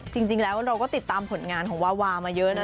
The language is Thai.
จริงแล้วเราก็ติดตามผลงานของวาวามาเยอะนะ